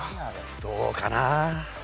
どうかな？